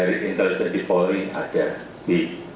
dari intelijen di polri ada b